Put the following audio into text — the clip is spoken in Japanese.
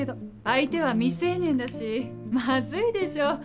相手は未成年だしマズいでしょ。